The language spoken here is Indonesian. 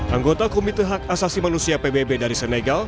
anggota komite hak asasi manusia pbb dari senegal